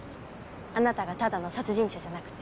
あなたがただの殺人者じゃなくて。